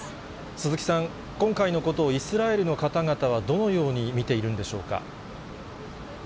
鈴木さん、今回のことをイスラエルの方々はどのように見ているんでしょうか。